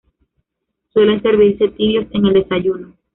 Suelen servirse tibios en el desayuno.